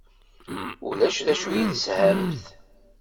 Ulac d acu i teshamt?